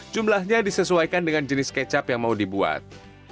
jumlahnya disesuaikan dengan jenis kecap yang mau dibuat